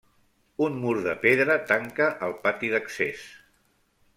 Un mur de pedra tanca el pati d'accés.